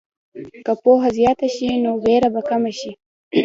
که پوهه زیاته شي، نو ویره به کمه شي.